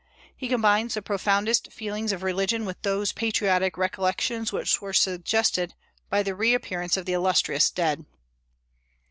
He combines the profoundest feelings of religion with those patriotic recollections which were suggested by the reappearance of the illustrious dead."